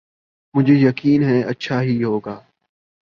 مجھے یقین ہے اچھا ہی ہو گا۔